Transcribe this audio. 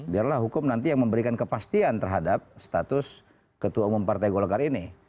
biarlah hukum nanti yang memberikan kepastian terhadap status ketua umum partai golkar ini